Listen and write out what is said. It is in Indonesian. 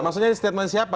maksudnya statemen siapa